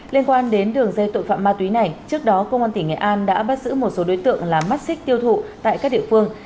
liên quan đến đường dây tội phạm ma túy này trước đó công an tỉnh nghệ an đã bắt giữ một số đối tượng là mắt xích tiêu thụ tại các địa phương